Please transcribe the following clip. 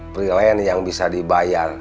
prilen yang bisa dibayar